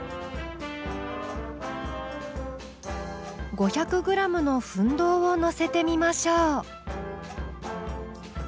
５００ｇの分銅をのせてみましょう。